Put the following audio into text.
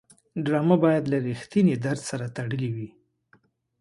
ډرامه باید له رښتینې درد سره تړلې وي